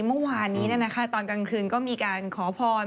เมื่อวานนี้ตอนกลางคืนก็มีการขอพร